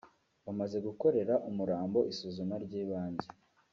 Bamaze gukorera umurambo isuzuma ry’ibanze